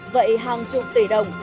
vậy hàng chục tỷ đồng